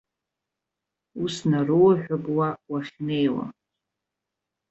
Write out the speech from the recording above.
Ус нароуҳәап уа, уахьнеиуа.